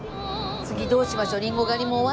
次どうしましょう？